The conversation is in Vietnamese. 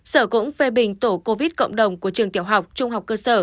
sở cũng phê bình tổ covid cộng đồng của trường tiểu học trung học cơ sở